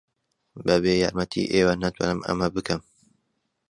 بەبێ یارمەتیی ئێوە ناتوانم ئەمە بکەم.